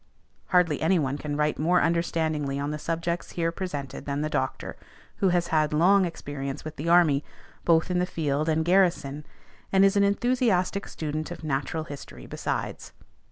Hardly any one can write more understandingly on the subjects here presented than the doctor, who has had long experience with the army, both in the field and garrison, and is an enthusiastic student of natural history besides.